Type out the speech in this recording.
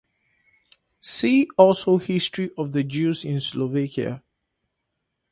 See also History of the Jews in Slovakia.